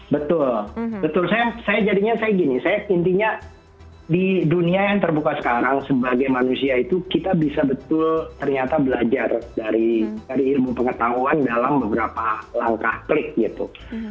betul betul saya jadinya saya gini saya intinya di dunia yang terbuka sekarang sebagai manusia itu kita bisa betul ternyata belajar dari ilmu pengetahuan dalam beberapa langkah klik gitu